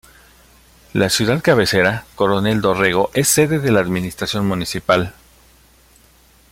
La ciudad cabecera -Coronel Dorrego- es sede de la administración municipal.